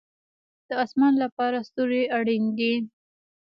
د اسمان لپاره ستوري اړین دي